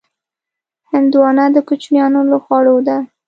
هندوانه د کوچیانو له خوړو ده.